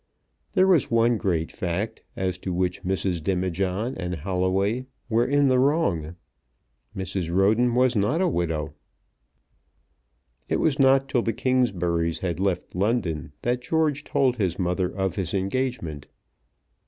There was one great fact, as to which Mrs. Demijohn and Holloway were in the wrong. Mrs. Roden was not a widow. It was not till the Kingsburys had left London that George told his mother of his engagement.